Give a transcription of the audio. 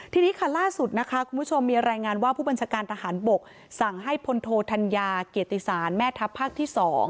ทีนี้ค่ะล่าสุดนะคะคุณผู้ชมมีรายงานว่าผู้บัญชาการทหารบกสั่งให้พลโทธัญญาเกียรติศาลแม่ทัพภาคที่๒